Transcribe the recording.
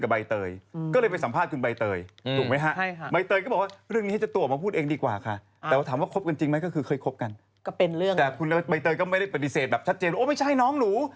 แบบชัดเจนโอ้ยไม่ใช่น้องหนู